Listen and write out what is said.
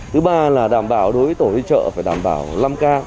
thứ ba là đảm bảo đối với tổ liên chợ phải đảm bảo năm k